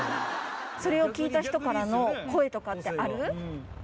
それを聴いた人からの声とかってある？